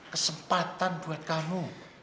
kesempatan buat kamu